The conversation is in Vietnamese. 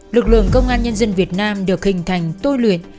lực lượng công an nhân dân việt nam được hình thành tôi luyện